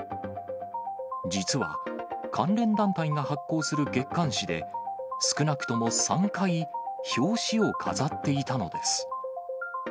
実は、関連団体が発行する月刊誌で、少なくとも３回、表紙を飾っていたのです。